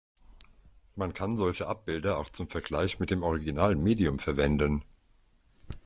Man kann solche Abbilder auch zum Vergleich mit dem originalen Medium verwenden.